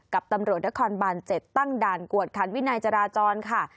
กับตำรวจนครบาน๗ตั้งด่านกวดขันวินัยจราจรค่ะ